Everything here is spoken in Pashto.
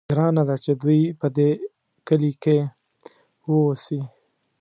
ګرانه ده چې دوی په دې کلي کې واوسي.